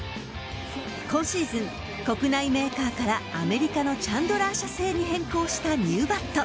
今シーズン国内メーカーからアメリカのチャンドラー社製に変更したニューバット。